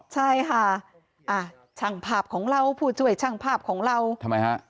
ใช่ค่ะช่างภาพของเราผู้ช่วยช่างภาพของเราทำไมฮะ